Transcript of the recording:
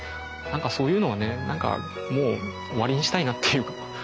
そういうのはねなんかもう終わりにしたいなっていうか。